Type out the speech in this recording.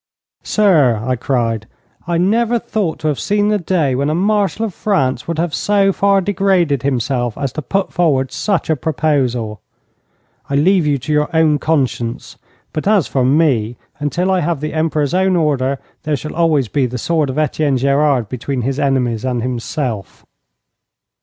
'Sir,' I cried, 'I never thought to have seen the day when a Marshal of France would have so far degraded himself as to put forward such a proposal. I leave you to your own conscience; but as for me, until I have the Emperor's own order, there shall always be the sword of Etienne Gerard between his enemies and himself.'